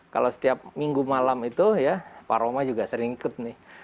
kalau setiap minggu malam itu ya pak roma juga sering ikut nih